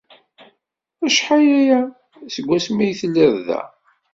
Acḥal aya seg wasmi ay telliḍ da?